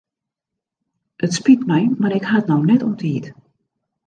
It spyt my mar ik ha it no net oan tiid.